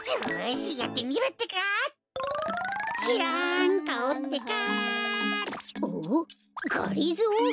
んっがりぞー？